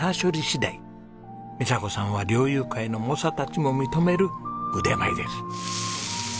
美佐子さんは猟友会の猛者たちも認める腕前です。